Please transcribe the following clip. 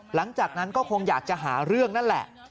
หลังจากนั้นก็คงอยากจะหาเรื่องนั่นแหละ